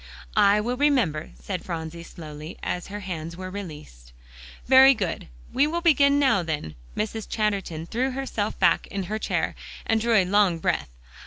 "I will remember," said Phronsie slowly, as her hands were released. "Very good. We will begin now then." Mrs. Chatterton threw herself back in her chair, and drew a long breath.